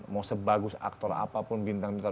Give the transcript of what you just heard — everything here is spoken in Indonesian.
mau sebagus aktor apapun bintang bintang